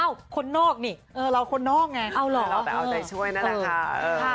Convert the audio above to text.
คนนอกนี่เราคนนอกไงเราแบบเอาใจช่วยนั่นแหละค่ะ